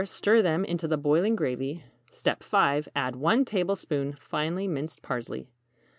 Stir them into the boiling gravy. 5. Add 1 tablespoon finely minced parsley.